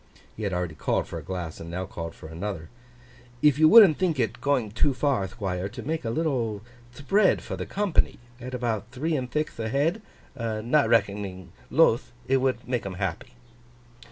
He had already called for a glass, and now called for another. 'If you wouldn't think it going too far, Thquire, to make a little thpread for the company at about three and thixth ahead, not reckoning Luth, it would make 'em happy.